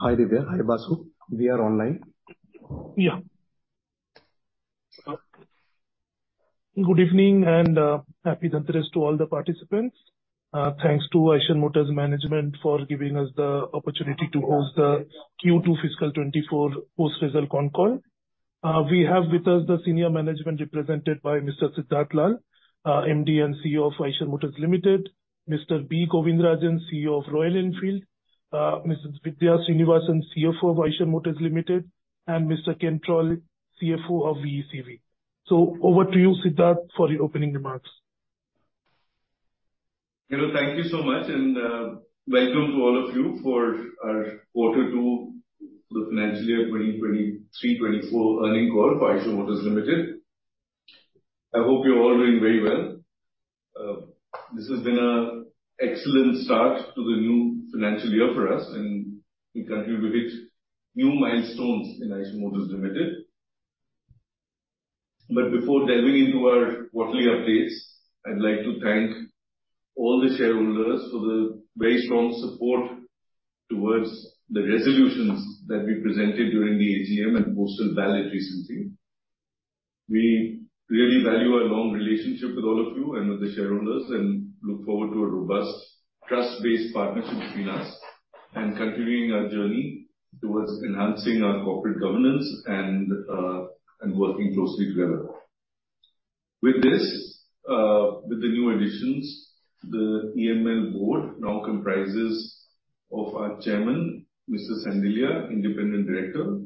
Hi, Divya. Hi, Vasu. We are online. Yeah. Good evening, and, happy Dhanteras to all the participants. Thanks to Eicher Motors management for giving us the opportunity to host the Q2 fiscal 2024 post result concall. We have with us the senior management, represented by Mr. Siddhartha Lal, MD and CEO of Eicher Motors Limited; Mr. B. Govindarajan, CEO of Royal Enfield; Mrs. Vidhya Srinivasan, CFO of Eicher Motors Limited; and Mr. Ken Troll, CFO of VECV. So over to you, Siddhartha, for your opening remarks. Hello, thank you so much, and welcome to all of you for our quarter two, the financial year 2023-24 earnings call for Eicher Motors Limited. I hope you're all doing very well. This has been an excellent start to the new financial year for us, and we continue to hit new milestones in Eicher Motors Limited. But before delving into our quarterly updates, I'd like to thank all the shareholders for the very strong support towards the resolutions that we presented during the AGM and postal ballot recently. We really value our long relationship with all of you and with the shareholders, and look forward to a robust, trust-based partnership between us, and continuing our journey towards enhancing our corporate governance and working closely together. With this, with the new additions, the EML board now comprises of our chairman, Mr. Sandilya, independent director,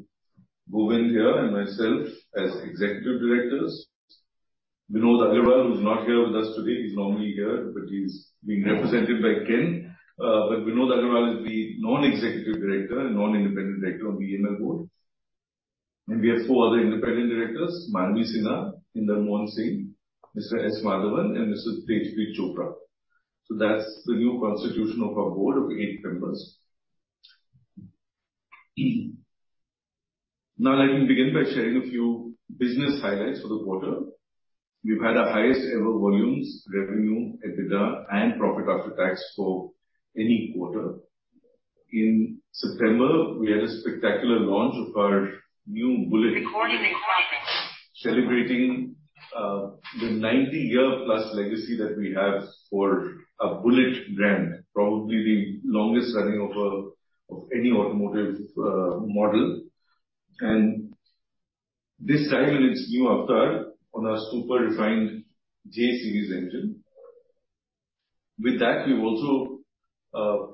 B. Govindarajan here, and myself as executive directors. Vinod Aggarwal, who's not here with us today, he's normally here, but he's being represented by Ken. But Vinod Aggarwal is the non-executive director and non-independent director of the EML board. We have four other independent directors, Manvi Sinha, Inder Mohan Singh, Mr. S. Madhavan, and Mrs. Preeti Chopra. So that's the new constitution of our board of eight members. Now, let me begin by sharing a few business highlights for the quarter. We've had our highest ever volumes, revenue, EBITDA, and profit after tax for any quarter. In September, we had a spectacular launch of our new Bullet- Recording in progress. Celebrating the 90-year-plus legacy that we have for a Bullet brand, probably the longest running of of any automotive model. And this time, it's new avatar on our super refined J Series engine. With that, we've also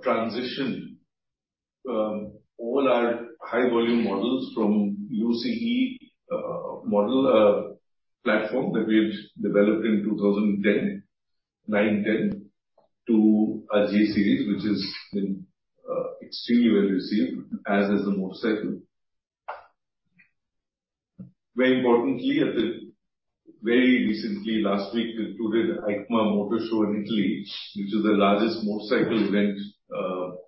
transitioned all our high volume models from UCE model platform that we've developed in 2010, 9/10, to our J Series, which has been extremely well received, as is the motorcycle. Very importantly, very recently, last week, we attended EICMA Motor Show in Italy, which is the largest motorcycle event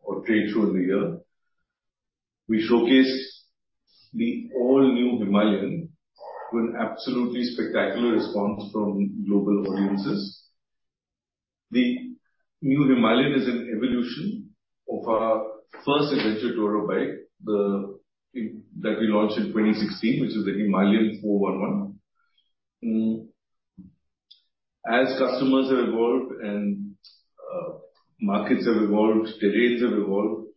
or trade show in the year. We showcased the all-new Himalayan, with an absolutely spectacular response from global audiences. The new Himalayan is an evolution of our first adventure tour bike, the that we launched in 2016, which is the Himalayan 411. As customers have evolved and markets have evolved, terrains have evolved,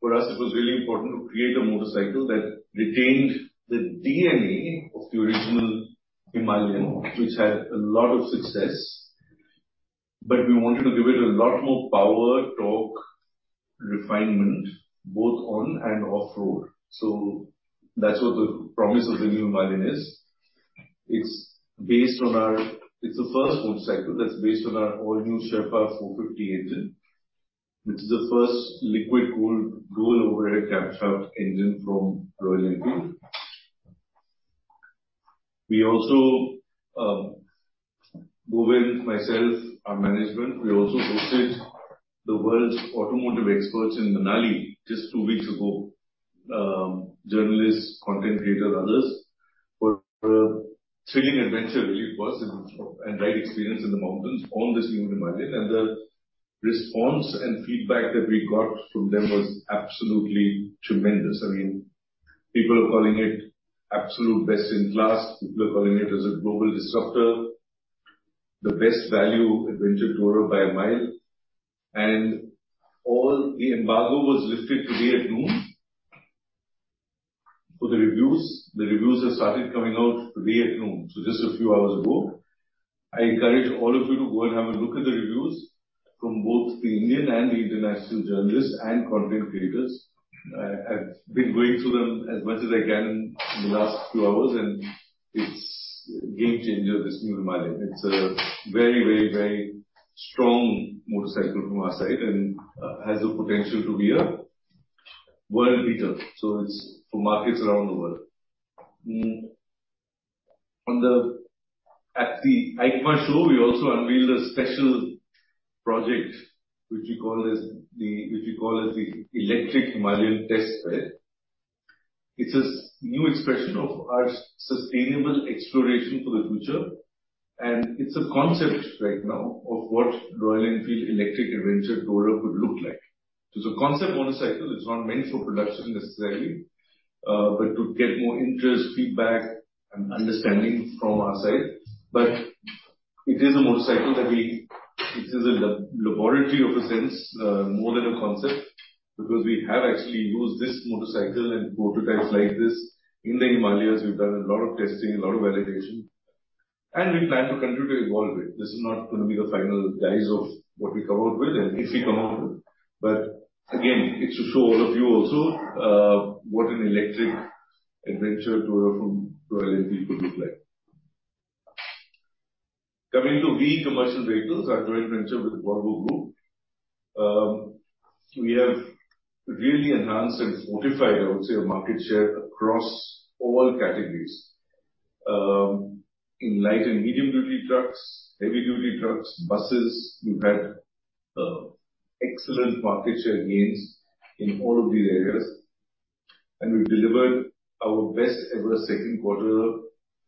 for us it was really important to create a motorcycle that retained the DNA of the original Himalayan, which had a lot of success. But we wanted to give it a lot more power, torque, refinement, both on and off-road. So that's what the promise of the new Himalayan is. It's based on our... It's the first motorcycle that's based on our all-new Sherpa 450 engine, which is the first liquid-cooled, dual overhead camshaft engine from Royal Enfield. We also, B. Govindarajan, myself, our management, we also hosted the world's automotive experts in Manali just two weeks ago. Journalists, content creators, others, for a thrilling adventure it was, and great experience in the mountains on this new Himalayan. And the response and feedback that we got from them was absolutely tremendous. I mean, people are calling it absolute best-in-class. People are calling it as a global disrupter, the best value adventure tourer by a mile. All the embargo was lifted today at noon for the reviews. The reviews have started coming out today at noon, so just a few hours ago. I encourage all of you to go and have a look at the reviews from both the Indian and the international journalists and content creators. I, I've been going through them as much as I can in the last few hours, and it's a game changer, this new Himalayan. It's a very, very, very strong motorcycle from our side and has the potential to be a world beater. So it's for markets around the world. At the EICMA show, we also unveiled a special project, which we call as the Electric Himalayan Test Bed. It's a new expression of our sustainable exploration for the future, and it's a concept right now of what Royal Enfield electric adventure tourer could look like. It's a concept motorcycle, it's not meant for production necessarily, but to get more interest, feedback, and understanding from our side. But it is a motorcycle, it is a laboratory in a sense, more than a concept, because we have actually used this motorcycle and prototypes like this in the Himalayas. We've done a lot of testing, a lot of validation, and we plan to continue to evolve it. This is not gonna be the final guise of what we come out with, and if we come out with. But again, it's to show all of you also what an electric adventure tourer from Royal Enfield could look like. Coming to VE Commercial Vehicles, our joint venture with the Volvo Group. We have really enhanced and fortified, I would say, our market share across all categories. In light and medium-duty trucks, heavy-duty trucks, buses, we've had excellent market share gains in all of these areas. And we delivered our best ever second quarter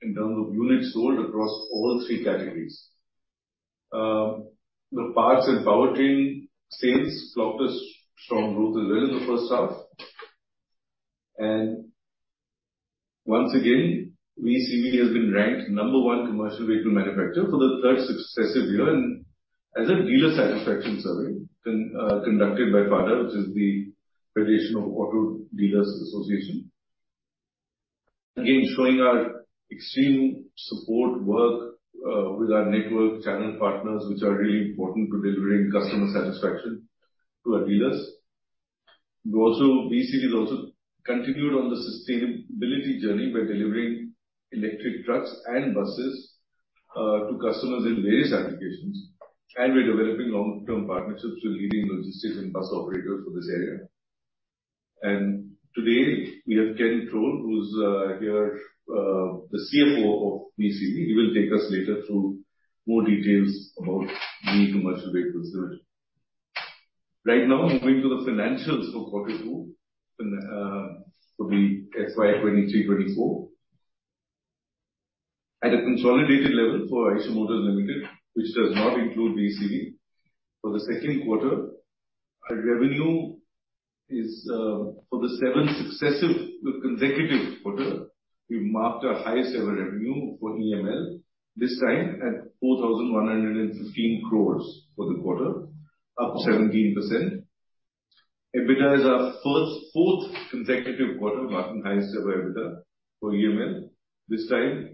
in terms of units sold across all three categories. The parts and powertrain sales clocked a strong growth as well in the first half. And once again, VECV has been ranked number one commercial vehicle manufacturer for the third successive year, and as a dealer satisfaction survey conducted by FADA, which is the Federation of Automobile Dealers Association. Again, showing our extreme support work with our network channel partners, which are really important to delivering customer satisfaction to our dealers. We also, VECV has also continued on the sustainability journey by delivering electric trucks and buses to customers in various applications, and we're developing long-term partnerships with leading logistics and bus operators for this area. Today, we have Ken Troll, who's here, the CFO of VECV. He will take us later through more details about the commercial vehicles journey. Right now, moving to the financials for quarter two, and for the FY 2023-2024. At a consolidated level for Eicher Motors Limited, which does not include VECV, for the second quarter, our revenue is for the seventh successive consecutive quarter, we've marked our highest ever revenue for EML, this time at 4,115 crores for the quarter, up 17%. EBITDA is our fourth consecutive quarter, marking highest ever EBITDA for EML, this time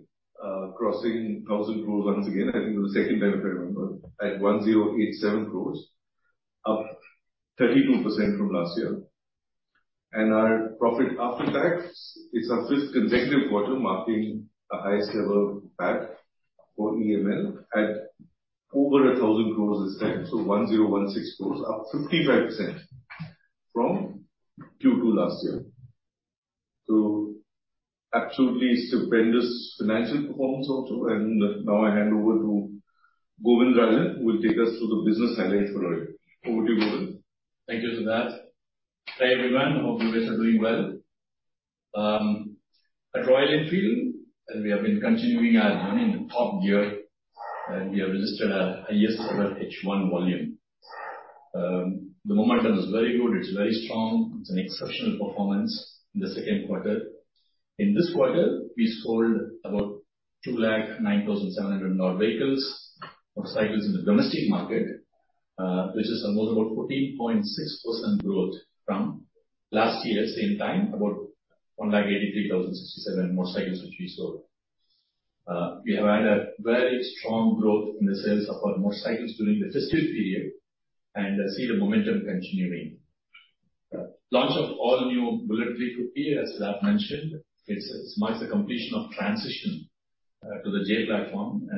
crossing 1,000 crores once again, I think the second time, if I remember, at 1,087 crores, up 32% from last year. And our profit after tax is our fifth consecutive quarter, marking the highest ever PAT for EML at over 1,000 crores this time, so 1,016 crores, up 55% from Q2 last year. So absolutely stupendous financial performance also. Now I hand over to B. Govindarajan, who will take us through the business highlights for Royal. Over to you, B. Govindarajan. Thank you, Siddhartha. Hi, everyone. Hope you guys are doing well. At Royal Enfield, and we have been continuing our running in top gear, and we have registered our highest ever H1 volume. The momentum is very good. It's very strong. It's an exceptional performance in the second quarter. In this quarter, we sold about 209,700 vehicles, motorcycles in the domestic market, which is almost about 14.6% growth from last year at the same time, about 183,067 motorcycles, which we sold. We have had a very strong growth in the sales of our motorcycles during the fiscal period, and I see the momentum continuing. Launch of all new Bullet 350, as Siddhartha mentioned, it marks the completion of transition to the J platform.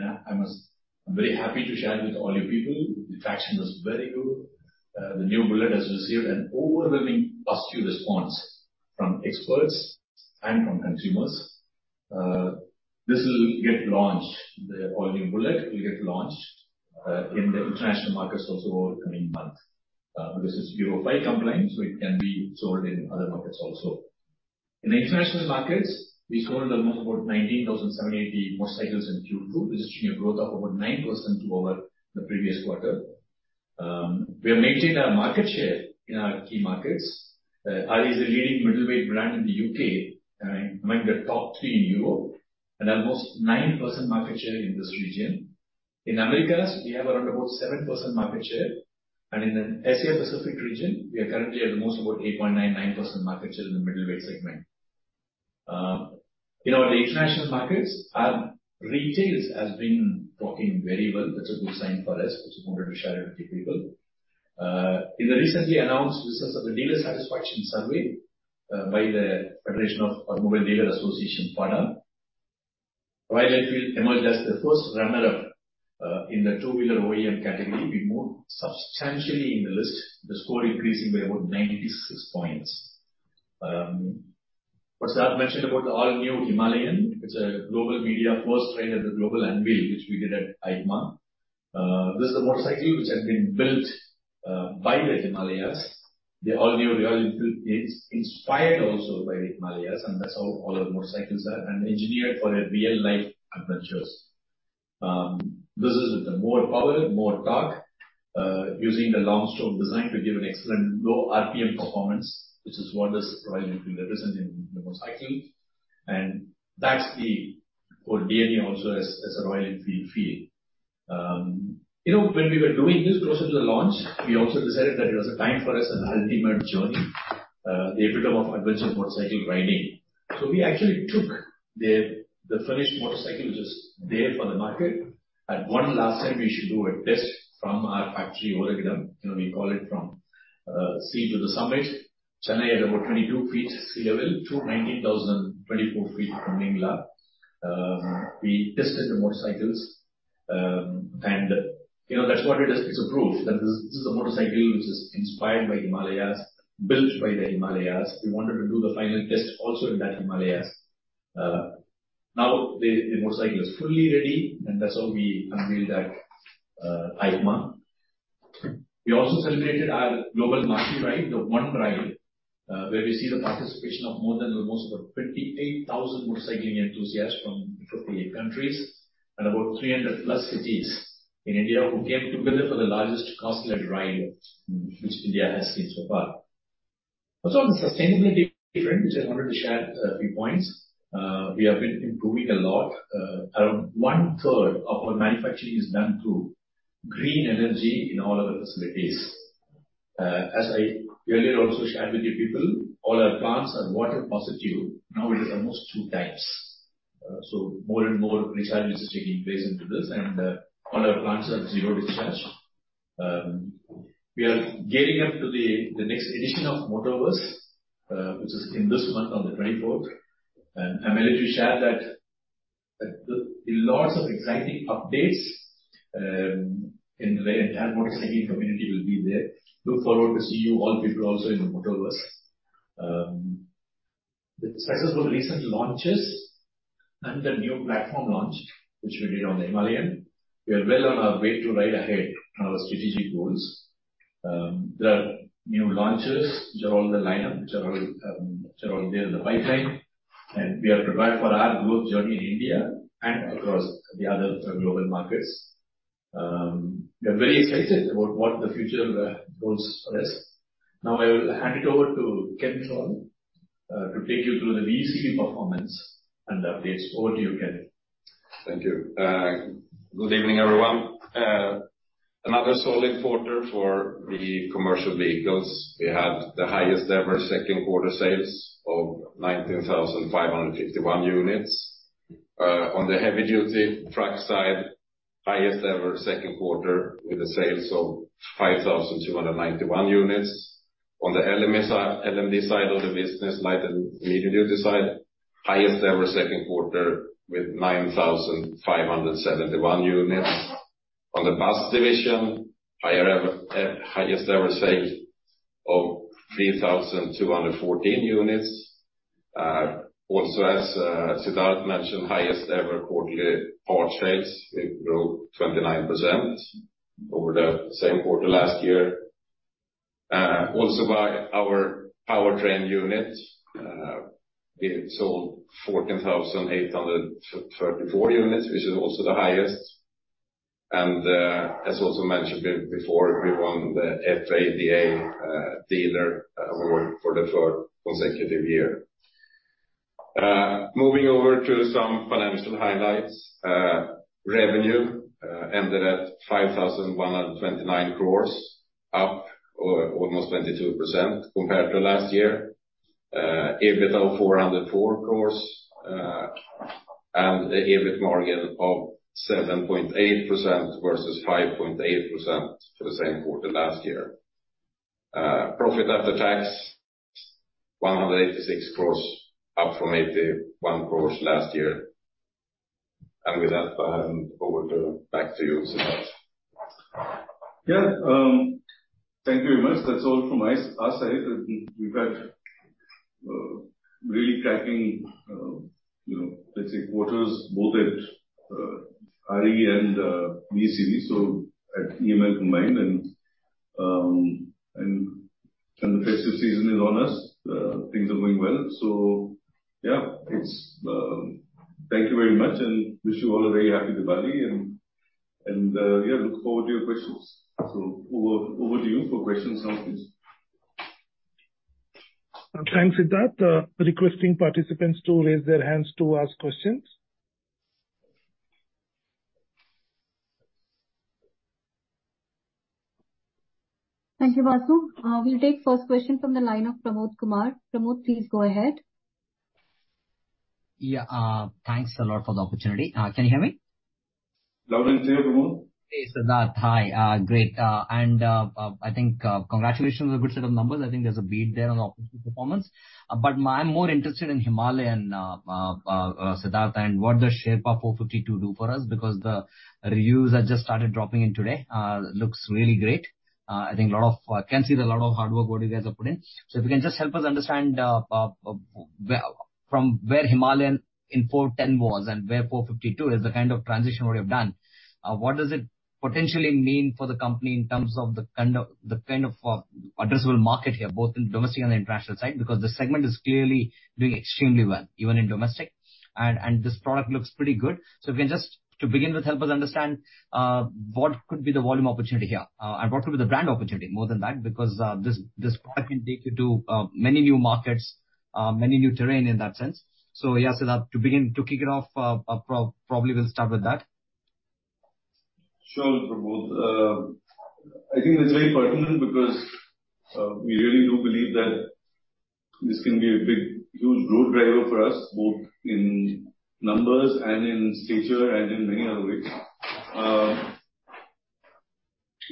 I must, I'm very happy to share with all you people, the traction was very good. The new Bullet has received an overwhelming positive response from experts and from consumers. This will get launched, the all-new Bullet will get launched, in the international markets also over the coming months. Because it's Euro 5 compliant, so it can be sold in other markets also. In the international markets, we sold almost about 19,780 motorcycles in Q2, which is a growth of about 9% over the previous quarter. We have maintained our market share in our key markets. RE is a leading middleweight brand in the UK and among the top three in Europe, and almost 9% market share in this region. In the Americas, we have around about 7% market share, and in the Asia Pacific region, we are currently at almost about 8.99% market share in the middleweight segment. In our international markets, our retail has been ticking very well. That's a good sign for us, just wanted to share it with you people. In the recently announced results of the dealer satisfaction survey by the Federation of Automobile Dealers Association, FADA, Royal Enfield emerged as the first runner-up in the two-wheeler OEM category. We moved substantially in the list, the score increasing by about 96 points. What Siddhartha mentioned about the all-new Himalayan, it's a global media first ride at the global unveil, which we did at EICMA. This is the motorcycle which had been built by the Himalayas. The all-new Royal Enfield is inspired also by the Himalayas, and that's how all our motorcycles are, and engineered for their real-life adventures. This is with the more power, more torque, using the long stroke design to give an excellent low RPM performance. This is what this Royal Enfield represents in, in motorcycling, and that's the core DNA also as, as a Royal Enfield feel. You know, when we were doing this closer to the launch, we also decided that it was a time for us an ultimate journey, the epitome of adventure motorcycle riding. So we actually took the, the finished motorcycle, which is there for the market, and one last time we should do a test from our factory, Oragadam. You know, we call it from, sea to the summit. Chennai at about 22 feet sea level to 19,024 feet from Umling La. We tested the motorcycles, and, you know, that's what it is. It's a proof that this, this is a motorcycle which is inspired by Himalayas, built by the Himalayas. We wanted to do the final test also in that Himalayas. Now, the, the motorcycle is fully ready, and that's how we unveiled that, EICMA. We also celebrated our global monthly ride, the one ride, where we see the participation of more than almost about 28,000 motorcycle enthusiasts from 58 countries and about 300+ cities in India, who came together for the largest customer ride, which India has seen so far. Also, on the sustainability front, which I wanted to share a few points. We have been improving a lot. Around one third of our manufacturing is done through green energy in all our facilities. As I earlier also shared with you people, all our plants are water positive. Now, it is almost two times. So more and more recharge is taking place into this, and all our plants are zero discharge. We are gearing up to the next edition of Motoverse, which is in this month on the 24th. I'm glad to share that the lots of exciting updates in the entire motorcycling community will be there. Look forward to see you, all people also in the Motoverse. The successful recent launches and the new platform launch, which we did on the Himalayan, we are well on our way to ride ahead on our strategic goals. The new launches, which are all in the lineup, which are all there in the pipeline, and we are prepared for our growth journey in India and across the other global markets. We are very excited about what the future holds for us. Now, I will hand it over to Kenneth Olb to take you through the VECV performance and updates. Over to you, Kenneth. Thank you. Good evening, everyone. Another solid quarter for the commercial vehicles. We had the highest ever second quarter sales of 19,551 units. On the heavy duty truck side, highest ever second quarter with the sales of 5,291 units. On the LMD side of the business, light and medium duty side, highest ever second quarter with 9,571 units. On the bus division, highest ever sale of 3,214 units. Also, as Siddharth mentioned, highest ever quarterly parts sales. We grew 29% over the same quarter last year. Also by our powertrain unit, we sold 14,834 units, which is also the highest. As also mentioned before, we won the FADA dealer award for the third consecutive year. Moving over to some financial highlights. Revenue ended at 5,129 crores, up, or almost 22% compared to last year. EBITDA 404 crores, and the EBIT margin of 7.8% versus 5.8% for the same quarter last year. Profit after tax, 186 crores, up from 81 crores last year. And with that, I hand over back to you, Siddhartha. Yeah, thank you very much. That's all from my side. We've had really tracking, you know, let's say, quarters both at RE and VECV, so at EML combined. And the festive season is on us. Things are going well. So yeah, it's... Thank you very much, and wish you all a very happy Diwali. And yeah, look forward to your questions. So over to you for questions now, please. Thanks, Siddhartha. Requesting participants to raise their hands to ask questions. Thank you, Vasu. We'll take first question from the line of Pramod Kumar. Pramod, please go ahead. Yeah, thanks a lot for the opportunity. Can you hear me? Loud and clear, Pramod. Hey, Siddhartha. Hi, great. And I think congratulations on the good set of numbers. I think there's a beat there on the operational performance. But I'm more interested in Himalayan, Siddhartha, and what the Sherpa 452 do for us, because the reviews that just started dropping in today looks really great. I think a lot of can see the lot of hard work what you guys are putting. So if you can just help us understand, from where Himalayan 411 was and where 452 is, the kind of transition what you've done. What does it potentially mean for the company in terms of the kind of, the kind of, addressable market here, both in domestic and international side? Because the segment is clearly doing extremely well, even in domestic, and this product looks pretty good. So if you can just, to begin with, help us understand what could be the volume opportunity here, and what could be the brand opportunity more than that, because this product can take you to many new markets, many new terrain in that sense. So, yeah, Siddhartha, to begin, to kick it off, probably we'll start with that. Sure, Prabuddha. I think it's very pertinent because we really do believe that this can be a big, huge growth driver for us, both in numbers and in stature and in many other ways.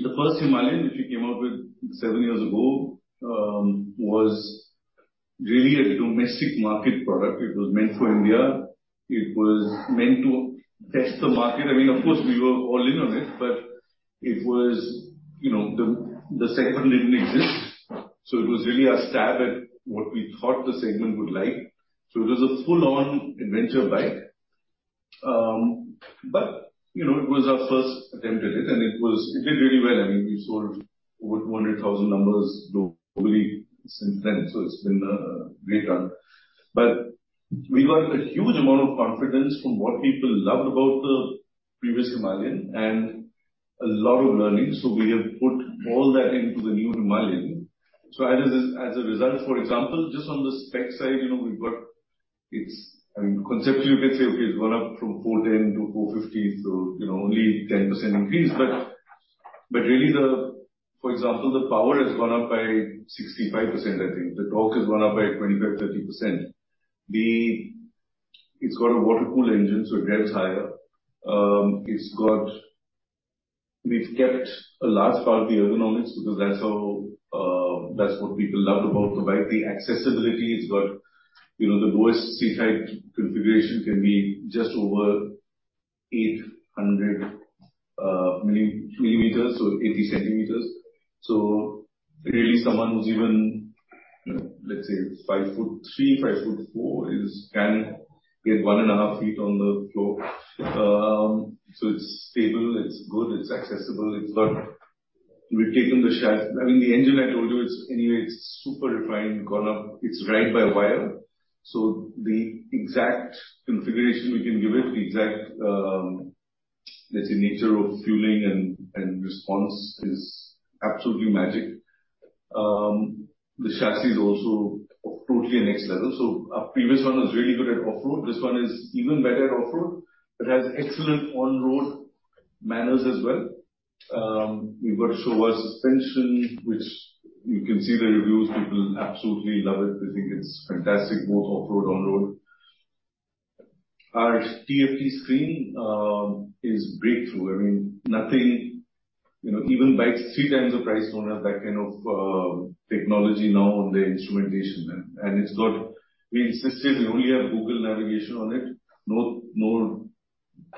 The first Himalayan, which we came up with 7 years ago, was really a domestic market product. It was meant for India. It was meant to test the market. I mean, of course, we were all in on it, but it was, you know, the segment didn't exist, so it was really our stab at what we thought the segment would like. So it was a full-on adventure bike. But, you know, it was our first attempt at it, and it was. It did really well. I mean, we sold over 200,000 numbers globally since then, so it's been a great run. But we got a huge amount of confidence from what people loved about the previous Himalayan and a lot of learning, so we have put all that into the new Himalayan. So as a result, for example, just on the spec side, you know, we've got it's—I mean, conceptually, you can say, okay, it's gone up from 410-450, so, you know, only 10% increase. But really the... For example, the power has gone up by 65%, I think. The torque has gone up by 25%-30%. It's got a water-cooled engine, so it revs higher. It's got... We've kept a large part of the ergonomics because that's how, that's what people loved about the bike. The accessibility, it's got, you know, the lowest seat height configuration can be just over 800 millimeters, so 80 centimeters. So really, someone who's even, let's say, 5 foot 3, 5 foot 4, can get one and a half feet on the floor. So it's stable, it's good, it's accessible, it's got. We've taken the chassis. I mean, the engine, I told you, it's anyway, it's super refined, gone up. It's ride-by-wire, so the exact configuration we can give it, the exact, let's say, nature of fueling and response is absolutely magic. The chassis is also totally next level. So our previous one was really good at off-road. This one is even better at off-road. It has excellent on-road manners as well. We've got a Showa suspension, which you can see the reviews. People absolutely love it. They think it's fantastic, both off-road, on-road. Our TFT screen is breakthrough. I mean, nothing, you know, even bikes three times the price, don't have that kind of technology now on the instrumentation. And it's got, we insist we only have Google navigation on it, no, no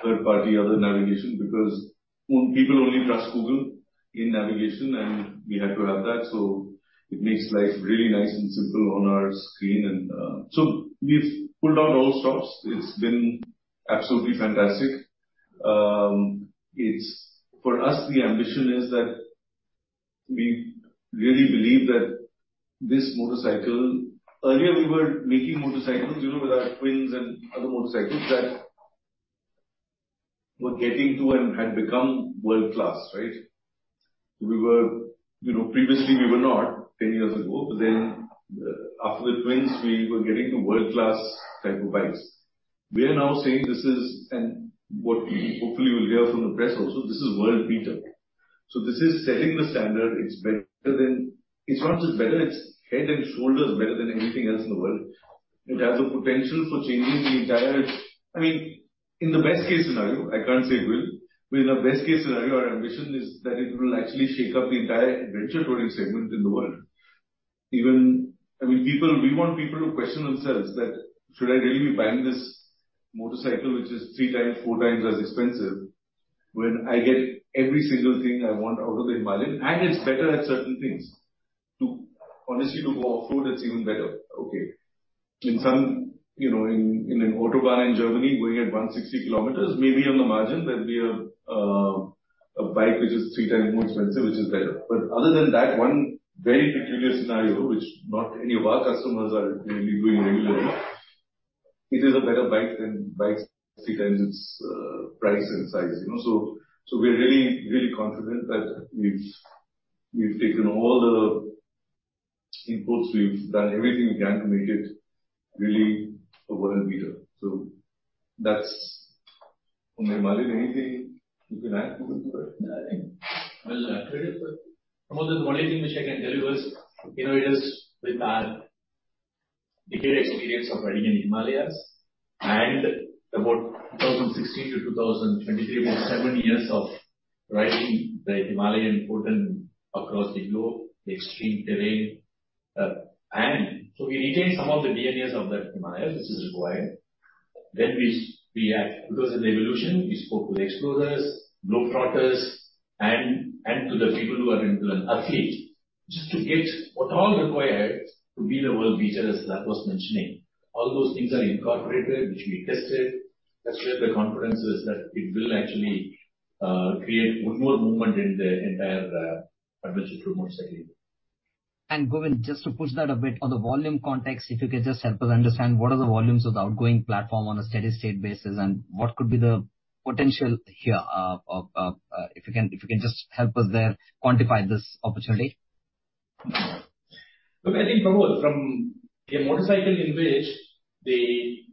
third-party other navigation, because people only trust Google in navigation, and we had to have that, so it makes life really nice and simple on our screen. And so we've pulled out all stops. It's been absolutely fantastic. It's for us, the ambition is that we really believe that this motorcycle... Earlier, we were making motorcycles, you know, with our twins and other motorcycles that were getting to and had become world-class, right? We were, you know, previously, we were not 10 years ago, but then, after the twins, we were getting to world-class type of bikes. We are now saying this is, and what we hopefully will hear from the press also, this is world beater. So this is setting the standard. It's better than... It's not just better, it's head and shoulders better than anything else in the world. It has the potential for changing the entire, I mean, in the best case scenario, I can't say it will, but in the best case scenario, our ambition is that it will actually shake up the entire adventure touring segment in the world. Even, I mean, people—we want people to question themselves that, "Should I really be buying this motorcycle, which is 3 times, 4 times as expensive, when I get every single thing I want out of the Himalayan? And it's better at certain things." To honestly, to go off-road, it's even better. Okay. In some, you know, in an Autobahn in Germany, going at 160 kilometers, maybe on the margin, there'll be a bike which is three times more expensive, which is better. But other than that one very peculiar scenario, which not any of our customers are going to be doing regularly, it is a better bike than bikes three times its price and size, you know? So we're really, really confident that we've taken all the inputs. We've done everything we can to make it really a world beater. So that's on Himalayan. Anything you can add, Pudum? Nothing. Well, Prabuddha, the only thing which I can tell you is, you know, it is with our decade experience of riding in Himalayas and about 2016 to 2023, about seven years of riding the Himalayan portal across the globe, the extreme terrain. And so we retained some of the DNAs of that Himalayas, which is required.... Then we act. Because in the evolution, we spoke to the explorers, globetrotters, and to the people who are into an athlete, just to get what all required to be the world leader, as I was mentioning. All those things are incorporated, which we tested. That's where the confidence is, that it will actually create one more movement in the entire adventure motorcycle. And Govind, just to push that a bit, on the volume context, if you could just help us understand what are the volumes of the outgoing platform on a steady state basis, and what could be the potential here, if you can, if you can just help us there, quantify this opportunity? Look, I think, Pramod, from a motorcycle in which the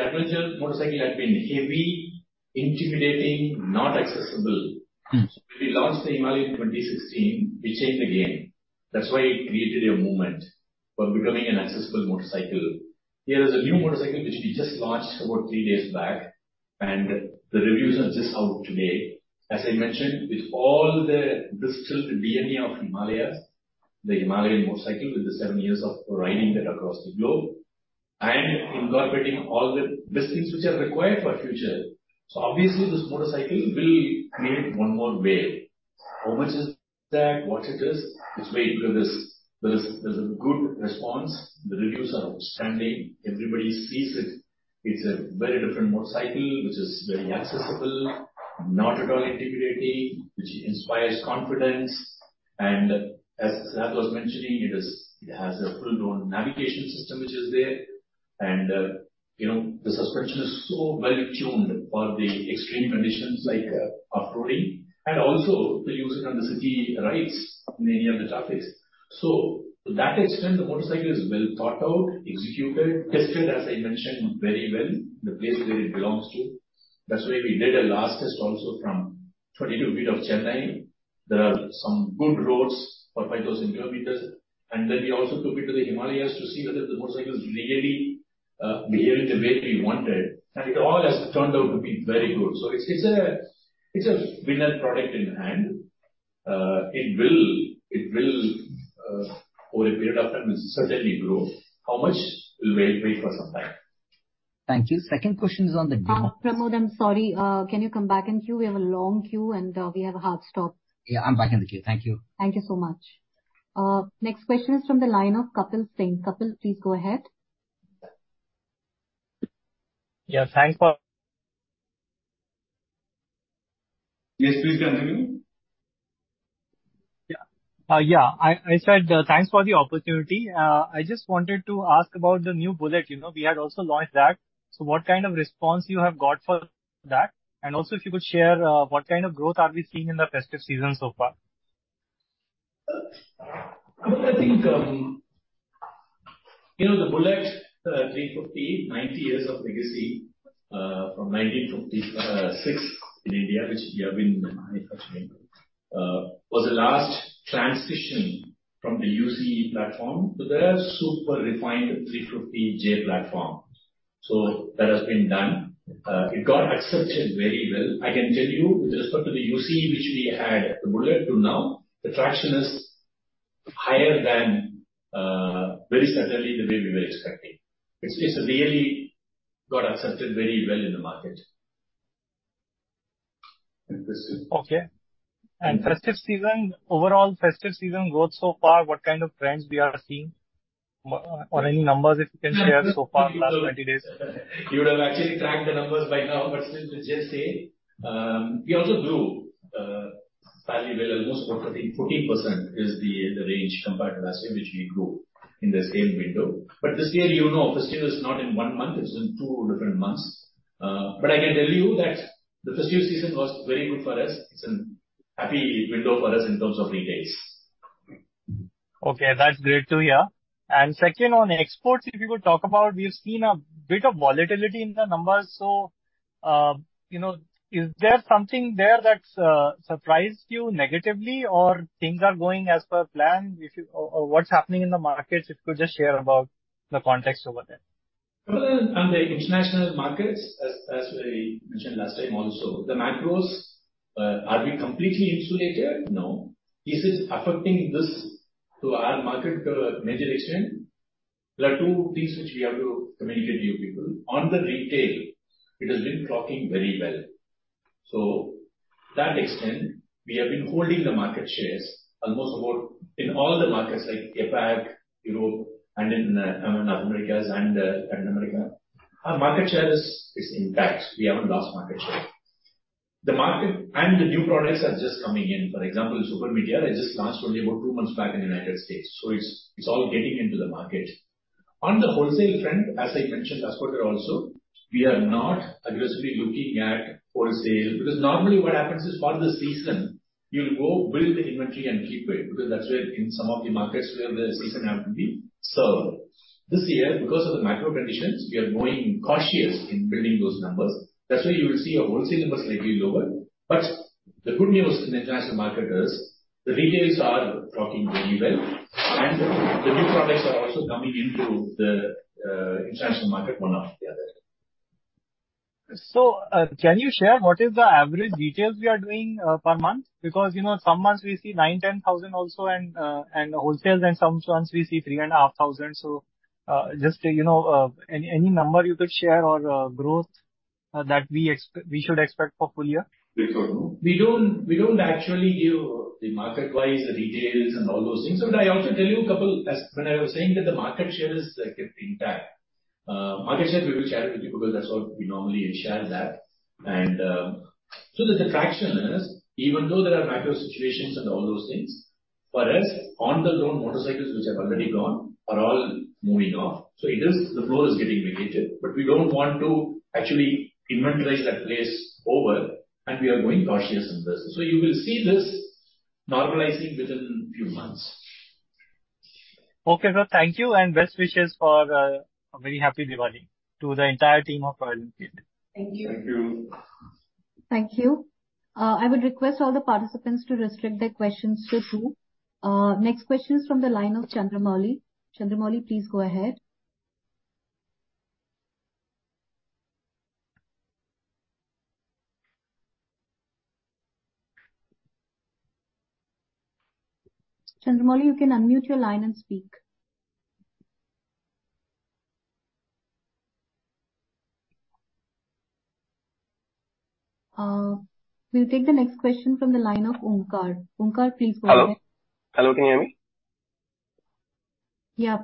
adventure motorcycle had been heavy, intimidating, not accessible. Mm. So when we launched the Himalayan in 2016, we changed the game. That's why it created a movement by becoming an accessible motorcycle. Here is a new motorcycle, which we just launched about three days back, and the reviews are just out today. As I mentioned, with all the distilled DNA of Himalayan, the Himalayan motorcycle, with the seven years of riding that across the globe, and incorporating all the best things which are required for future. So obviously, this motorcycle will create one more wave. How much is that? What it is? It's very good. There's a good response. The reviews are outstanding. Everybody feels it. It's a very different motorcycle, which is very accessible, not at all intimidating, which inspires confidence. And as Sath was mentioning, it is. It has a full-blown navigation system, which is there. You know, the suspension is so well tuned for the extreme conditions like off-roading, and also to use it on the city rides in any of the traffics. So to that extent, the motorcycle is well thought out, executed, tested, as I mentioned, very well, the place where it belongs to. That's why we did a last test also from Oragadam, a bit of Chennai. There are some good roads, for 5,000 km, and then we also took it to the Himalayas to see whether the motorcycle is really behaving the way we wanted, and it all has turned out to be very good. So it's a winner product in hand. It will, over a period of time, will certainly grow. How much? We'll wait for some time. Thank you. Second question is on the- Pramod, I'm sorry, can you come back in queue? We have a long queue, and we have a hard stop. Yeah, I'm back in the queue. Thank you. Thank you so much. Next question is from the line of Kapil Singh. Kapil, please go ahead. Yeah, thanks for- Yes, please continue. Yeah. Yeah, I said, thanks for the opportunity. I just wanted to ask about the new Bullet. You know, we had also launched that. So what kind of response you have got for that? And also, if you could share, what kind of growth are we seeing in the festive season so far? Well, I think, you know, the Bullet 350, 90 years of legacy, from 1956 in India, which we have been manufacturing, was the last transition from the UC platform to the super refined 350 J platform. So that has been done. It got accepted very well. I can tell you, with respect to the UC, which we had the Bullet to now, the traction is higher than, very certainly the way we were expecting. It's, it's really got accepted very well in the market. Interesting. Okay. Festive season, overall festive season growth so far, what kind of trends we are seeing? Or any numbers if you can share so far in the last 90 days. You would have actually tracked the numbers by now, but still to just say, we also grew fairly well, almost about 14, 14% is the range compared to last year, which we grew in the same window. But this year, you know, festive is not in one month, it's in two different months. But I can tell you that the festive season was very good for us. It's a happy window for us in terms of retail. Okay, that's great to hear. And second, on exports, if you could talk about, we've seen a bit of volatility in the numbers. So, you know, is there something there that's surprised you negatively, or things are going as per plan? Or what's happening in the markets, if you could just share about the context over there. Well, on the international markets, as I mentioned last time also, the macros, are we completely insulated? No. Is it affecting this to our market to a major extent? There are two things which we have to communicate to you people. On the retail, it has been talking very well. So that extent, we have been holding the market shares almost about... in all the markets like APAC, Europe, and in Americas and Latin America, our market share is intact. We haven't lost market share. The market and the new products are just coming in. For example, Super Meteor, I just launched only about two months back in the United States, so it's all getting into the market. On the wholesale front, as I mentioned, as per there also, we are not aggressively looking at wholesale, because normally what happens is, for the season, you'll go build the inventory and keep it, because that's where in some of the markets where the season have to be served. This year, because of the macro conditions, we are going cautious in building those numbers. That's why you will see our wholesale numbers slightly lower. But the good news in the international market is, the retailers are talking very well, and the new products are also coming into the international market, one after the other.... So, can you share what is the average details we are doing, per month? Because, you know, some months we see 9-10,000 also, and, and wholesales, and some months we see 3,500. So, just, you know, any, any number you could share or, growth, that we ex- we should expect for full year? We don't actually give the market-wise, the details, and all those things. But I also tell you a couple, as when I was saying that the market share is kept intact. Market share, we will share it with you, because that's what we normally share that. And so the traction is, even though there are macro situations and all those things, for us, on the ground, motorcycles which have already gone are all moving off. So it is, the flow is getting mitigated, but we don't want to actually over-inventorize the place, and we are going cautious in business. So you will see this normalizing within few months. Okay, sir. Thank you, and best wishes for a very happy Diwali to the entire team of Royal Enfield. Thank you. Thank you. Thank you. I would request all the participants to restrict their questions to two. Next question is from the line of Chandramouli. Chandramouli, please go ahead. Chandramouli, you can unmute your line and speak. We'll take the next question from the line of Omkar. Omkar, please go ahead. Hello? Hello, can you hear me? Yeah.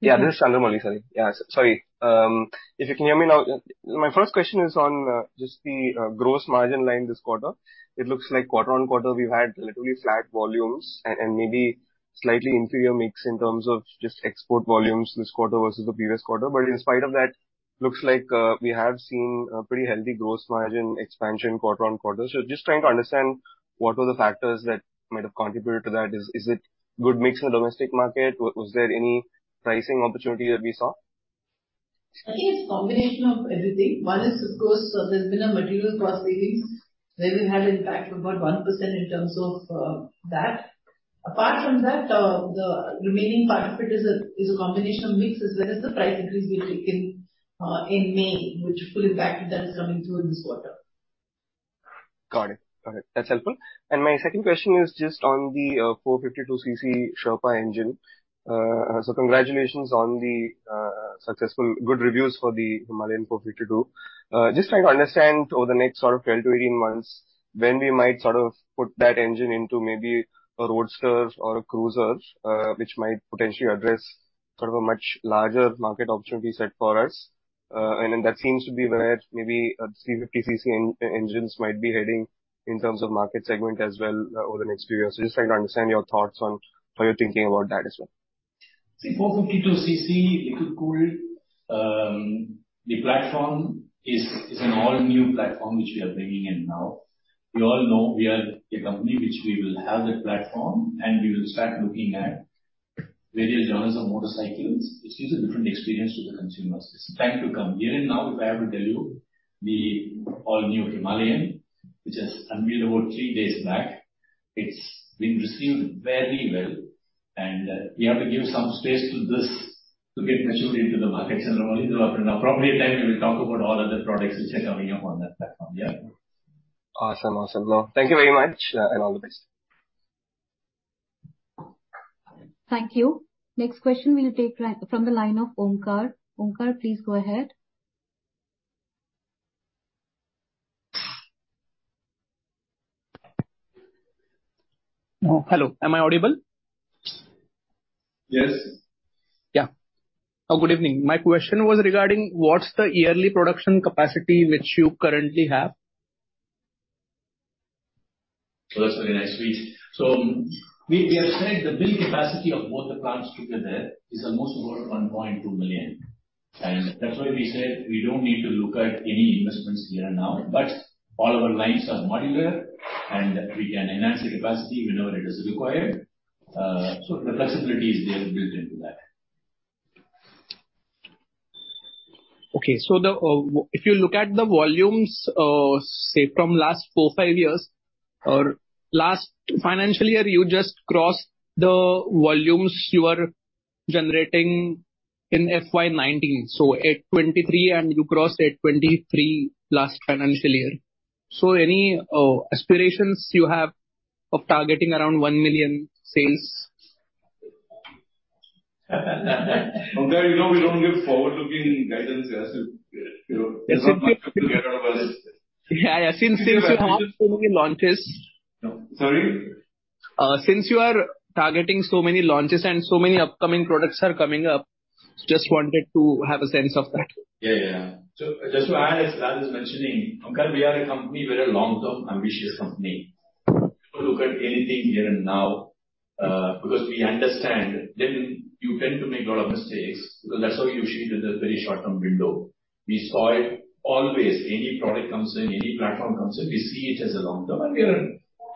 Yeah, this is Chandramouli, sorry. Yeah, sorry. If you can hear me now, my first question is on just the gross margin line this quarter. It looks like quarter-on-quarter, we've had literally flat volumes and maybe slightly inferior mix in terms of just export volumes this quarter versus the previous quarter. But in spite of that, looks like we have seen a pretty healthy gross margin expansion quarter-on-quarter. So just trying to understand what were the factors that might have contributed to that. Is it good mix in the domestic market? Was there any pricing opportunity that we saw? I think it's a combination of everything. One is, of course, there's been a material cost savings that it had impact about 1% in terms of, that. Apart from that, the remaining part of it is a, is a combination of mixes, that is the price increase we've taken, in May, which full impact that is coming through in this quarter. Got it. Got it. That's helpful. And my second question is just on the 452 cc Sherpa engine. So congratulations on the successful good reviews for the Himalayan 452. Just trying to understand over the next sort of 12-18 months, when we might sort of put that engine into maybe a roadster or a cruiser, which might potentially address sort of a much larger market opportunity set for us. And then that seems to be where maybe 350 cc engines might be heading in terms of market segment as well, over the next few years. So just trying to understand your thoughts on how you're thinking about that as well. See, 452 cc liquid-cooled, the platform is an all-new platform which we are bringing in now. We all know we are a company which we will have the platform, and we will start looking at various genres of motorcycles, which gives a different experience to the consumers. It's time to come. Even now, if I have to tell you, the all-new Himalayan, which has unveiled about three days back, it's been received very well, and we have to give some space to this to get matured into the market. So only in the appropriate time, we will talk about all other products which are coming up on that platform. Yeah? Awesome. Awesome. No, thank you very much, and all the best. Thank you. Next question will take priority from the line of Omkar. Omkar, please go ahead. Hello, am I audible? Yes. Yeah. Good evening. My question was regarding what's the yearly production capacity which you currently have? So that's very nice speech. So we have said the build capacity of both the plants together is almost around 1.2 million. And that's why we said we don't need to look at any investments here and now, but all our lines are modular, and we can enhance the capacity whenever it is required. So the flexibility is there built into that. Okay. So the way if you look at the volumes, say, from last four, five years, or last financial year, you just crossed the volumes you are generating in FY 2019. So at 2023, and you crossed at 2023 last financial year. So any aspirations you have of targeting around 1 million sales? Omkar, you know, we don't give forward-looking guidance as to, you know, to get out of us. Yeah. Since you have so many launches- Sorry? Since you are targeting so many launches and so many upcoming products are coming up, just wanted to have a sense of that. Yeah, yeah. So just to add, as Raj was mentioning, Omkar, we are a company, we're a long-term, ambitious company. Don't look at anything here and now, because we understand then you tend to make a lot of mistakes, because that's how you see it in a very short-term window. We saw it, always, any product comes in, any platform comes in, we see it as a long term, and we are,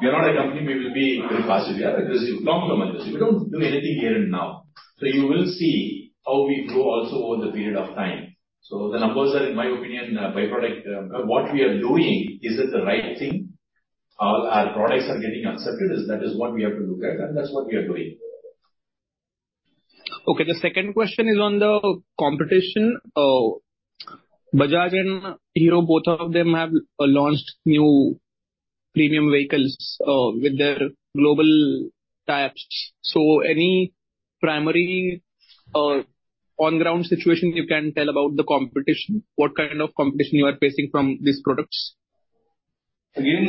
we are not a company, we will be very fast. We are a long-term industry. We don't do anything here and now. So you will see how we grow also over the period of time. So the numbers are, in my opinion, a by-product. What we are doing, is it the right thing? Our products are getting accepted, is that is what we have to look at, and that's what we are doing.... Okay, the second question is on the competition. Bajaj and Hero, both of them have launched new premium vehicles with their global types. So any primary on-ground situation you can tell about the competition? What kind of competition you are facing from these products? Again,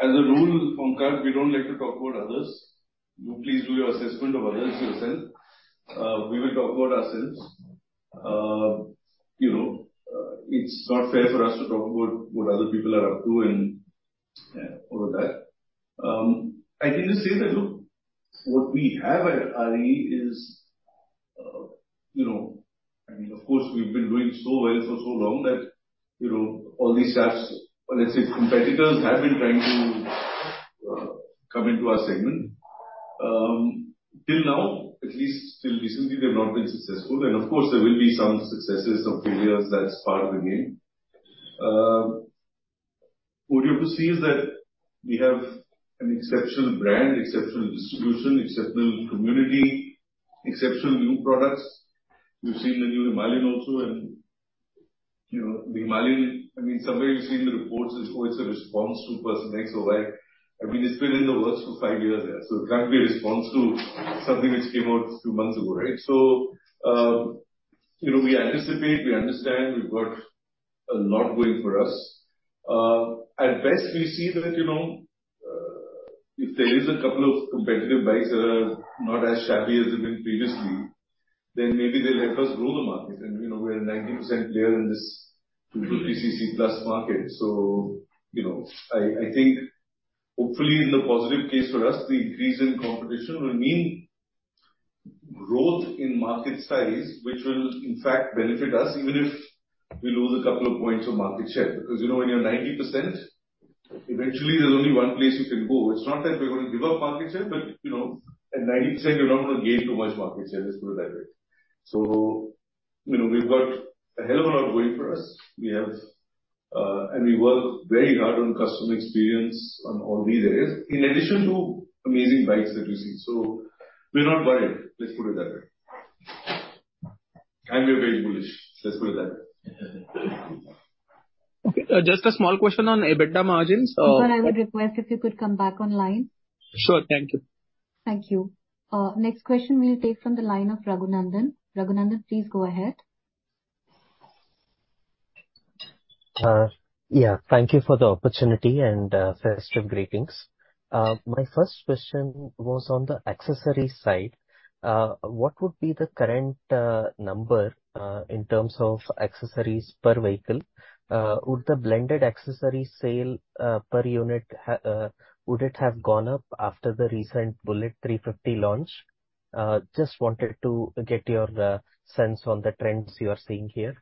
as a rule, Pankaj, we don't like to talk about others. You please do your assessment of others yourself. We will talk about ourselves. You know, it's not fair for us to talk about what other people are up to and, yeah, all of that. I can just say that, look, what we have at RE is, you know, I mean, of course, we've been doing so well for so long that, you know, all these guys, or let's say, competitors, have been trying to come into our segment. Till now, at least till recently, they've not been successful. And of course, there will be some successes, some failures, that's part of the game. What you have to see is that we have an exceptional brand, exceptional distribution, exceptional community, exceptional new products. You've seen the new Himalayan also, and, you know, the Himalayan, I mean, somewhere you've seen the reports, it's always a response to person X or Y. I mean, it's been in the works for five years there, so it can't be a response to something which came out a few months ago, right? So, you know, we anticipate, we understand, we've got a lot going for us. At best, we see that, you know, if there is a couple of competitive bikes that are not as shabby as they've been previously, then maybe they'll help us grow the market. And, you know, we're 90% there in this 250 cc plus market. So, you know, I think hopefully in the positive case for us, the increase in competition will mean growth in market size, which will in fact benefit us, even if we lose a couple of points of market share. Because, you know, when you're 90%, eventually there's only one place you can go. It's not that we're going to give up market share, but, you know, at 90%, you're not going to gain too much market share, let's put it that way. So, you know, we've got a hell of a lot going for us. We have, and we work very hard on customer experience on all these areas, in addition to amazing bikes that you see. So we're not worried, let's put it that way. And we're very bullish, let's put it that way. Okay, just a small question on EBITDA margins. Sir, I would request if you could come back online. Sure. Thank you. Thank you. Next question we'll take from the line of Ragunandan. Ragunandan, please go ahead. Yeah, thank you for the opportunity and festive greetings. My first question was on the accessories side. What would be the current number in terms of accessories per vehicle? Would the blended accessory sale per unit have gone up after the recent Bullet 350 launch? Just wanted to get your sense on the trends you are seeing here.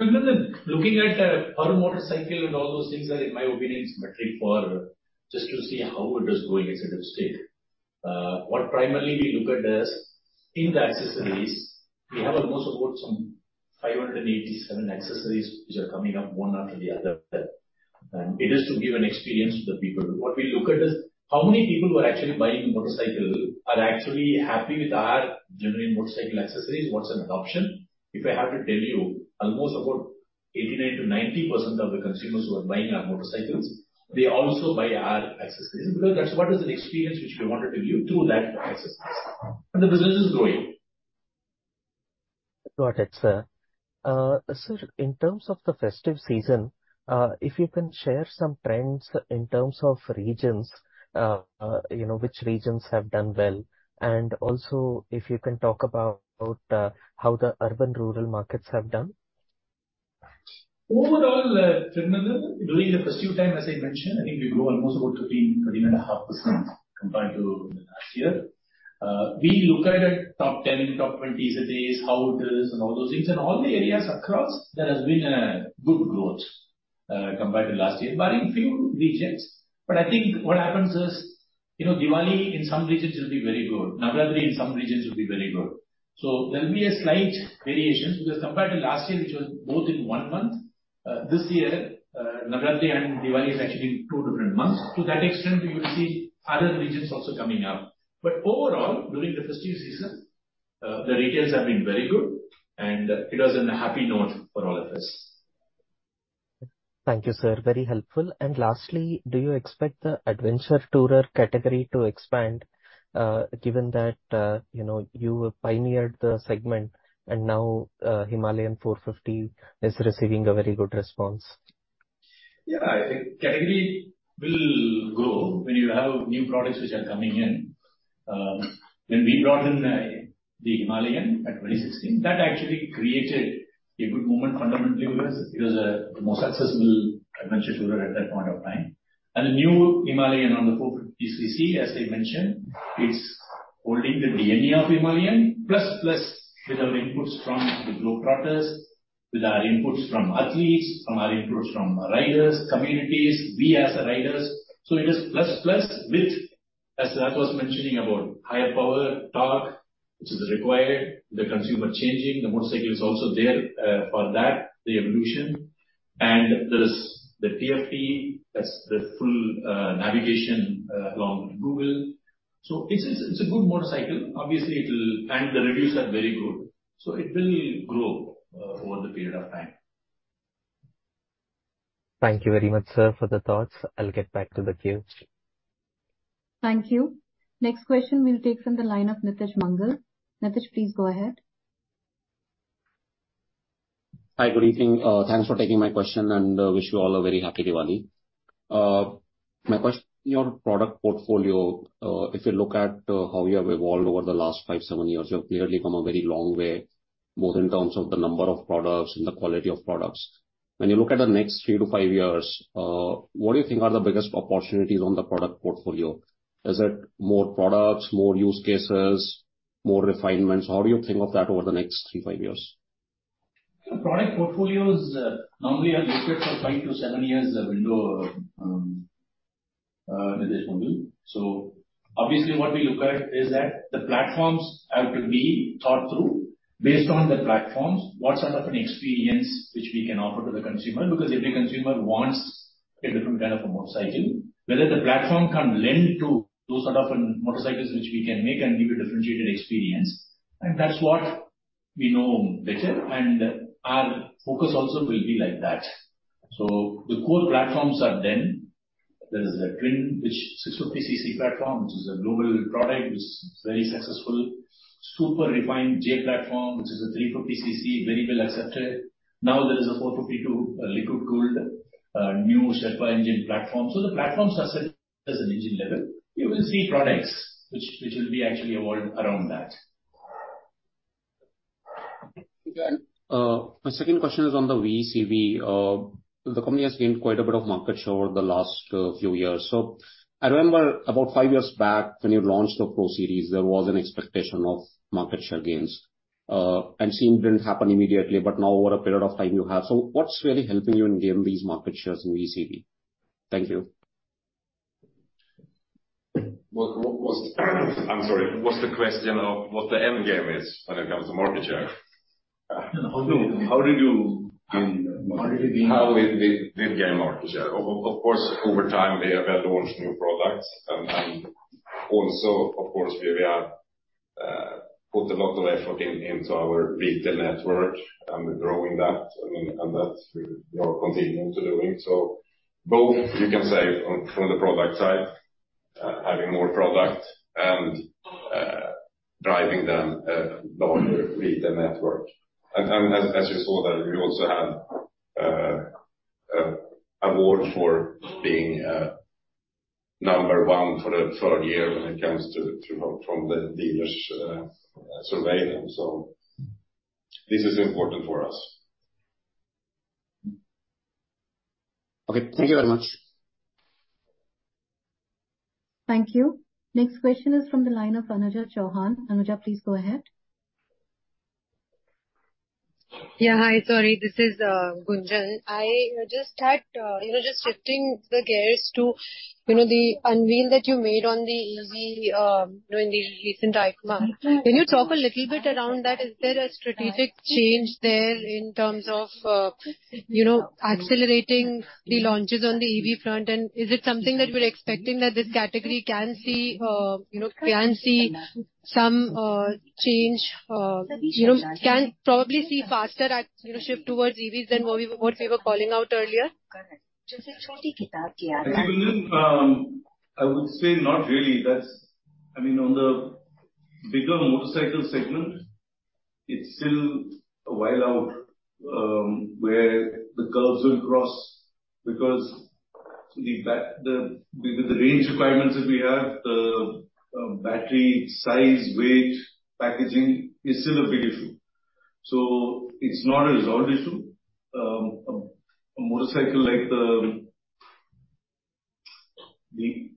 You know, Ragunandan, looking at per motorcycle and all those things are, in my opinion, symmetric for just to see how it is going as a state. What primarily we look at is, in the accessories, we have almost about some 587 accessories which are coming up, one after the other. And it is to give an experience to the people. What we look at is, how many people who are actually buying the motorcycle are actually happy with our genuine motorcycle accessories, what's an adoption? If I have to tell you, almost about 89%-90% of the consumers who are buying our motorcycles, they also buy our accessories, because that's what is an experience which we wanted to give through that accessories. And the business is growing. Got it, sir. Sir, in terms of the festive season, if you can share some trends in terms of regions, you know, which regions have done well, and also if you can talk about how the urban rural markets have done. Overall, Ragunandan, during the festive time, as I mentioned, I think we grew almost about 13%-13.5% compared to last year. We look at it top 10, top 20 cities, how it is and all those things, and all the areas across, there has been a good growth, compared to last year, barring few regions. But I think what happens is, you know, Diwali in some regions will be very good. Navaratri in some regions will be very good. So there'll be a slight variations, because compared to last year, which was both in one month, this year, Navaratri and Diwali is actually in two different months. To that extent, you will see other regions also coming up. But overall, during the festive season, the retails have been very good and it was in a happy note for all of us. Thank you, sir. Very helpful. And lastly, do you expect the adventure tourer category to expand, given that, you know, you pioneered the segment and now, Himalayan 450 is receiving a very good response? Yeah, I think category will grow when you have new products which are coming in. When we brought in the Himalayan at 2016, that actually created a good moment fundamentally because it was a more successful adventure tourer at that point of time. And the new Himalayan on the 450 cc, as I mentioned, is holding the DNA of Himalayan plus, plus with our inputs from the Globetrotters, with our inputs from athletes, from our inputs from riders, communities, we as the riders. So it is plus, plus with, as I was mentioning, about higher power, torque, which is required, the consumer changing, the motorcycle is also there for that, the evolution. And there is the TFT, that's the full navigation along with Google. So it's, it's a good motorcycle. Obviously, it'll and the reviews are very good, so it will grow over the period of time. Thank you very much, sir, for the thoughts. I'll get back to the queue. Thank you. Next question we'll take from the line of Nitij Mangal. Nitesh, please go ahead. Hi, good evening. Thanks for taking my question, and wish you all a very happy Diwali. My question: your product portfolio, if you look at how you have evolved over the last five, seven years, you have clearly come a very long way, both in terms of the number of products and the quality of products. When you look at the next three to five years, what do you think are the biggest opportunities on the product portfolio? Is it more products, more use cases, more refinements? How do you think of that over the next three, five years? Product portfolios normally are looked at for 5-7 years, a window, Nitij Mangal. So obviously, what we look at is that the platforms have to be thought through. Based on the platforms, what sort of an experience which we can offer to the consumer, because every consumer wants a different kind of a motorcycle. Whether the platform can lend to those sort of motorcycles, which we can make and give a differentiated experience, and that's what we know better, and our focus also will be like that. So the core platforms are then, there is a Twin, which 650 cc platform, which is a global product, is very successful. Super refined J platform, which is a 350 cc, very well accepted. Now, there is a 452, liquid-cooled, new Sherpa engine platform. The platforms are set as an engine level. You will see products which will be actually awarded around that. Okay. My second question is on the VECV. The company has gained quite a bit of market share over the last few years. So I remember about five years back when you launched the Pro series, there was an expectation of market share gains, and seeing didn't happen immediately, but now over a period of time you have. So what's really helping you in gain these market shares in VECV? Thank you. What? I'm sorry. What's the question of what the end game is when it comes to market share? How do you, how did you gain market? How we gain market share? Of course, over time, we have well launched new products. And also, of course, we have put a lot of effort into our retail network, and we're growing that, and that we are continuing to doing. So both, you can say, from the product side, having more product and driving them larger with the network. And as you saw, that we also had a award for being number one for the third year when it comes to from the dealers survey. So this is important for us. Okay, thank you very much. Thank you. Next question is from the line of Anuja Chauhan. Anuja, please go ahead. Yeah, hi, sorry. This is Gunjan. I just had, you know, just shifting the gears to, you know, the unveil that you made on the EV during the recent EICMA. Can you talk a little bit around that? Is there a strategic change there in terms of, you know, accelerating the launches on the EV front? And is it something that you're expecting that this category can see, you know, can see some change, you know, can probably see faster, you know, shift towards EVs than what we, what we were calling out earlier? Hi, Gunjan. I would say not really. That's—I mean, on the bigger motorcycle segment, it's still a while out, where the curves will cross, because the, with the range requirements that we have, the battery size, weight, packaging is still a big issue. So it's not a resolved issue. A motorcycle like the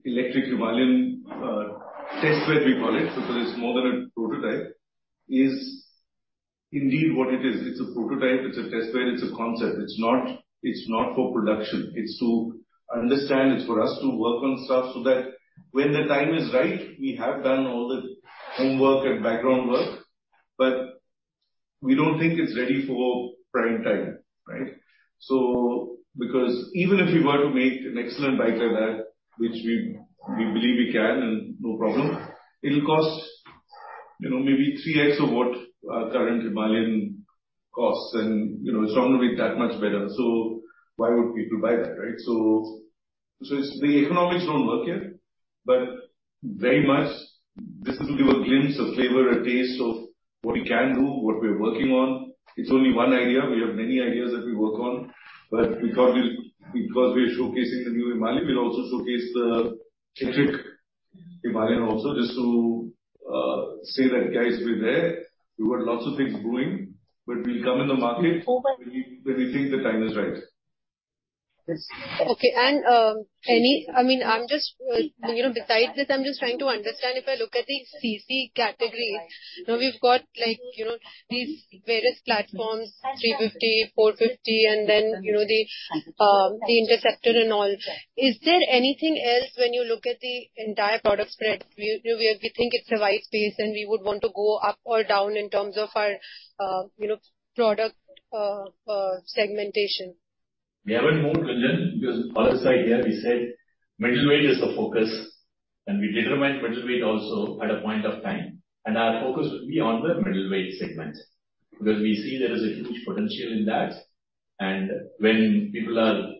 Electric Himalayan test bed, we call it, so there is more than a prototype, is indeed what it is. It's a prototype, it's a test bed, it's a concept. It's not, it's not for production. It's to understand, it's for us to work on stuff so that when the time is right, we have done all the homework and background work, but we don't think it's ready for prime time, right? So because even if we were to make an excellent bike like that, which we, we believe we can, and no problem, it'll cost, you know, maybe 3x of what our current Himalayan costs, and, you know, it's not going to be that much better. So why would people buy that, right? So, so it's the economics don't work yet, but very much, this will give a glimpse, a flavor, a taste of what we can do, what we are working on. It's only one idea. We have many ideas that we work on, but because we, because we are showcasing the new Himalayan, we'll also showcase the electric Himalayan also, just to say that, "Guys, we're there. We've got lots of things brewing, but we'll come in the market when we, when we think the time is right. Okay. And, I mean, I'm just, you know, besides this, I'm just trying to understand, if I look at the cc category, now we've got like, you know, these various platforms, 350, 450, and then, you know, the Interceptor and all. Is there anything else when you look at the entire product spread, we think it's the right space, and we would want to go up or down in terms of our, you know, product segmentation? ... We haven't moved within, because on the slide here, we said middleweight is the focus, and we determine middleweight also at a point of time, and our focus will be on the middleweight segment, because we see there is a huge potential in that. And when people are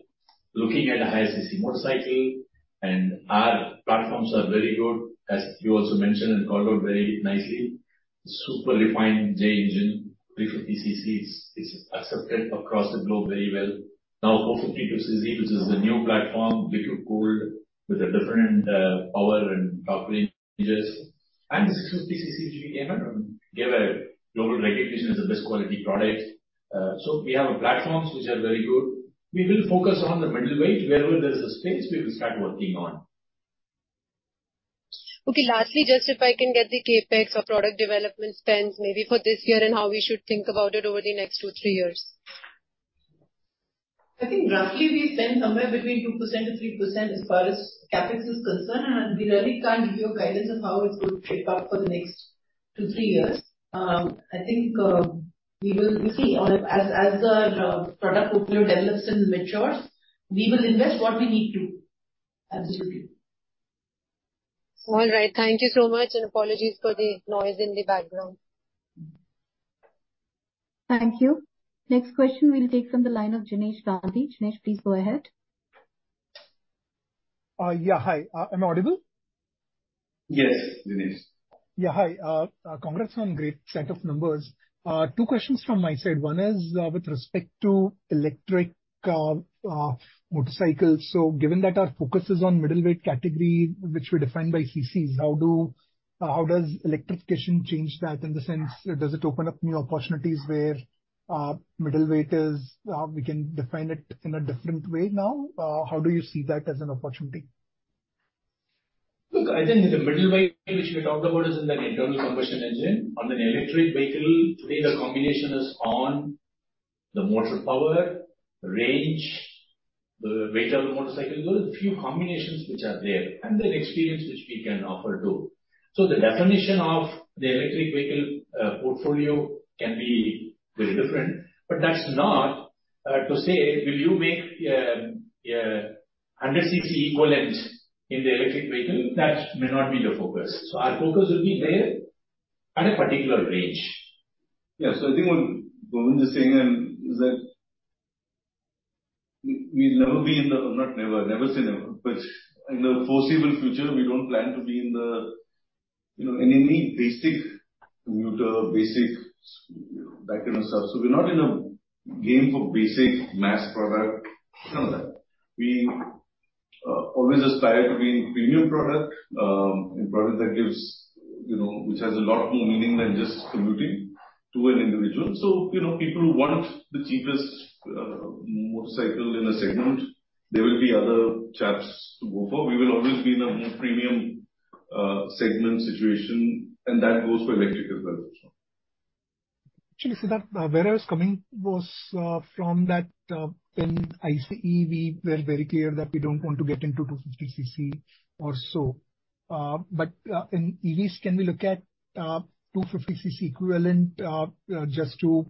looking at a high cc motorcycle, and our platforms are very good, as you also mentioned and called out very nicely. Super refined J engine, 350 cc is accepted across the globe very well. Now, 452 cc, which is the new platform, liquid cooled, with a different power and torque ranges, and the 650 cc gave a global recognition as the best quality product. So we have platforms which are very good. We will focus on the middleweight. Wherever there is a space, we will start working on. Okay, lastly, just if I can get the CapEx or product development spends maybe for this year and how we should think about it over the next two, three years? I think roughly we spend somewhere between 2%-3% as far as CapEx is concerned, and we really can't give you a guidance of how it's going to shape up for the next 2-3 years. I think we will see as the product portfolio develops and matures, we will invest what we need to. Absolutely. All right. Thank you so much, and apologies for the noise in the background. Thank you. Next question we'll take from the line of Jinesh Gandhi. Jinesh, please go ahead. Yeah, hi. Am I audible? Yes, Jinesh. Yeah, hi. Congrats on great set of numbers. Two questions from my side. One is, with respect to electric, motorcycles. So given that our focus is on middleweight category, which we define by CCs, how does electrification change that, in the sense, does it open up new opportunities where, middleweight is, we can define it in a different way now? How do you see that as an opportunity? Look, I think the middleweight, which we talked about, is in an internal combustion engine. On an electric vehicle, today, the combination is on the motor power, range, the weight of the motorcycle. There are a few combinations which are there, and the experience which we can offer, too. So the definition of the electric vehicle portfolio can be very different, but that's not to say, will you make 100 cc equivalents in the electric vehicle? That may not be the focus. So our focus will be there at a particular range. Yeah, so I think what Govind is saying is that we've never been in the... Not never, never say never, but in the foreseeable future, we don't plan to be in the, you know, in any basic commuter, basic that kind of stuff. So we're not in a game for basic mass product, none of that. We always aspire to be in premium product, in product that gives, you know, which has a lot more meaning than just commuting to an individual. So, you know, people who want the cheapest, motorcycle in a segment, there will be other chaps to go for. We will always be in a more premium, segment situation, and that goes for electric as well. Actually, Siddhartha, where I was coming was, from that, when ICE we were very clear that we don't want to get into 250 cc or so. But, in EVs, can we look at, 250 cc equivalent, just to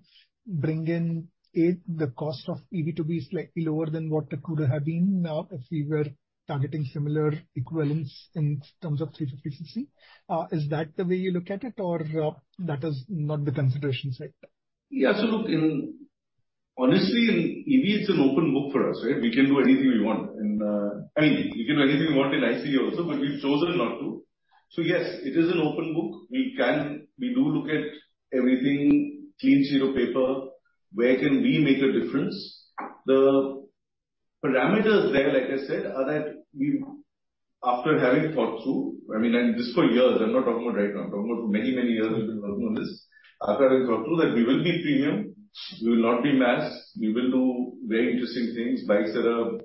bring in it the cost of EV to be slightly lower than what it could have been, if we were targeting similar equivalents in terms of 350 cc? Is that the way you look at it, or, that is not the consideration side? Yeah. So look, in honestly, in EV, it's an open book for us, right? We can do anything we want. And, I mean, we can do anything we want in ICE also, but we've chosen not to. So yes, it is an open book. We can, we do look at everything, clean sheet of paper, where can we make a difference? The parameters there, like I said, are that we, after having thought through, I mean, and this for years, I'm not talking about right now, I'm talking about many, many years we've been working on this. After having thought through, that we will be premium, we will not be mass, we will do very interesting things, bikes that,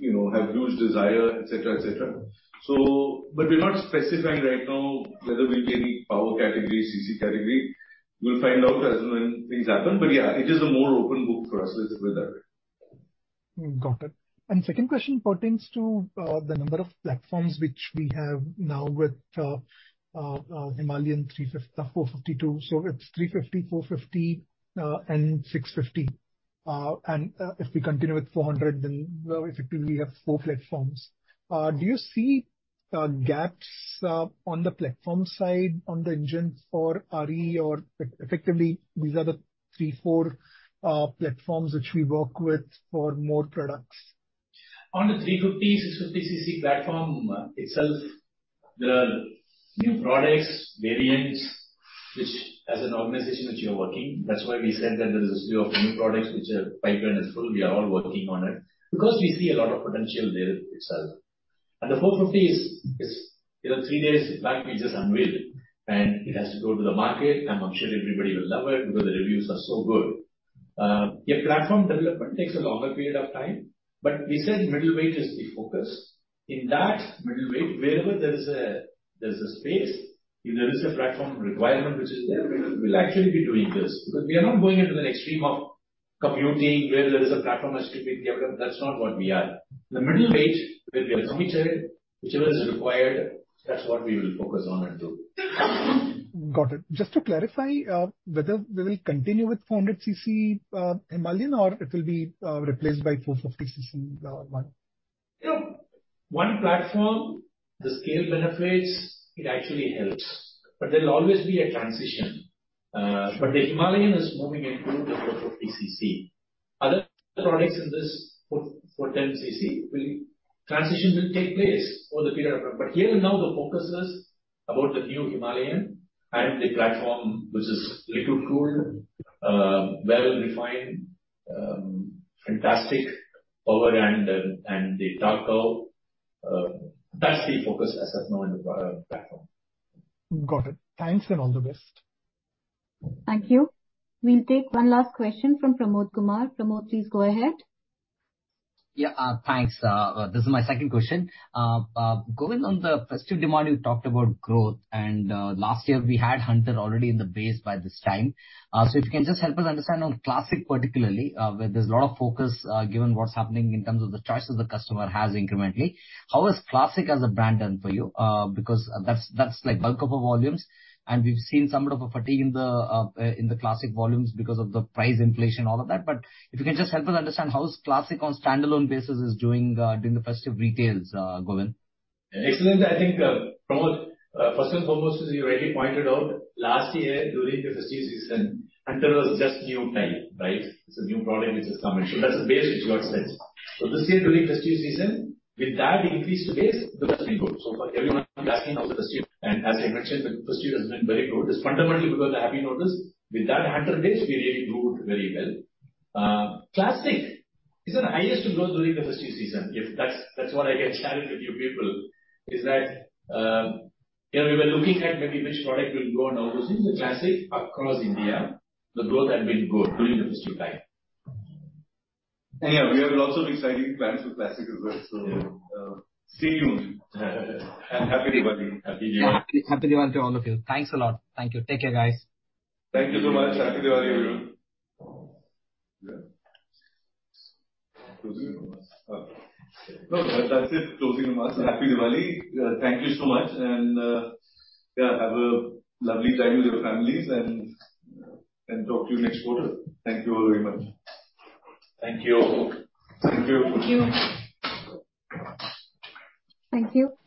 you know, have huge desire, et cetera, et cetera. So, but we're not specifying right now whether we'll be any power category, CC category. We'll find out as when things happen. But yeah, it is a more open book for us with that. Got it. Second question pertains to the number of platforms which we have now with Himalayan, 350, 452. So it's 350, 450, and 650. And if we continue with 400, then effectively, we have four platforms. Do you see gaps on the platform side, on the engine for RE, or effectively, these are the three, four platforms which we work with for more products? On the 350, 650 cc platform itself, there are new products, variants, which as an organization, which you are working. That's why we said that there is a slew of new products which are, pipeline is full. We are all working on it, because we see a lot of potential there itself. And the 450 is, you know, three days back, we just unveiled it, and it has to go to the market, and I'm sure everybody will love it because the reviews are so good. Yeah, platform development takes a longer period of time, but we said middleweight is the focus. In that middleweight, wherever there is a space, if there is a platform requirement which is there, we'll actually be doing this, because we are not going into the extreme of commuting, where there is a platform that's strictly developed. That's not what we are. The middleweight will be our sweet spot. Whichever is required, that's what we will focus on and do. Got it. Just to clarify, whether we will continue with 400 cc Himalayan, or it will be replaced by 450 cc one?... You know, one platform, the scale benefits, it actually helps, but there'll always be a transition. But the Himalayan is moving into the 450 cc. Other products in this 410 cc, the transition will take place over the period of time. But here and now, the focus is about the new Himalayan and the platform, which is liquid-cooled, well-defined, fantastic power end and the torque curve. That's the focus as of now in the platform. Got it. Thanks, and all the best. Thank you. We'll take one last question from Pramod Kumar. Pramod, please go ahead. Yeah, thanks. This is my second question. Govind, on the festive demand, you talked about growth, and last year we had Hunter already in the base by this time. So if you can just help us understand on Classic, particularly, where there's a lot of focus, given what's happening in terms of the choices the customer has incrementally. How has Classic as a brand done for you? Because that's, that's, like, bulk of our volumes, and we've seen somewhat of a fatigue in the Classic volumes because of the price inflation, all of that. But if you can just help us understand, how is Classic on standalone basis doing during the festive retails, Govind? Excellent. I think, Pramod, first and foremost, as you rightly pointed out, last year, during the festive season, Hunter was just new time, right? It's a new product which has come in. So that's the base which got set. So this year, during festive season, with that increased base, the has been good. So for everyone asking how the festive... And as I mentioned, the festive has been very good. It's fundamentally because I have noticed with that Hunter base, we really do very well. Classic is at highest growth during the festive season. If that's, that's what I can share with you people, is that, you know, we were looking at maybe which product will go now, you see the Classic across India, the growth has been good during the festive time. And, yeah, we have lots of exciting plans for Classic as well. So, stay tuned. And Happy Diwali! Happy New Year. Happy, happy Diwali to all of you. Thanks a lot. Thank you. Take care, guys. Thank you so much. Happy Diwali, everyone. Yeah. Closing remarks. No, that's it, closing remarks. Happy Diwali. Thank you so much, and, yeah, have a lovely time with your families and, and talk to you next quarter. Thank you all very much. Thank you. Thank you. Thank you. Thank you.